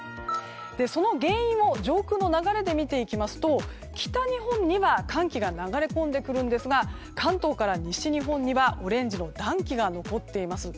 その原因を上空の流れで見てみますと北日本には寒気が流れ込んでくるんですが関東から西日本にはオレンジの暖気が残っています。